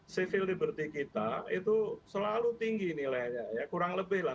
civil liberty kita itu selalu tinggi nilainya ya kurang lebih lah